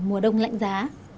mùa đông lạnh giá